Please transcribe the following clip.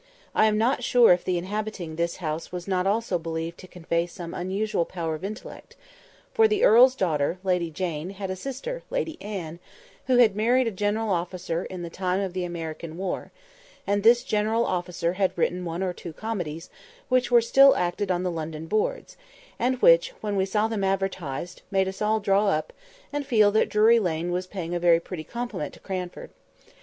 I am not sure if the inhabiting this house was not also believed to convey some unusual power of intellect; for the earl's daughter, Lady Jane, had a sister, Lady Anne, who had married a general officer in the time of the American war, and this general officer had written one or two comedies, which were still acted on the London boards, and which, when we saw them advertised, made us all draw up, and feel that Drury Lane was paying a very pretty compliment to Cranford.